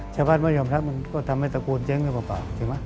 ชาวบ้านไม่ยอมรับมันก็ทำให้ตระกูลเจ๊งขึ้นมาเปล่า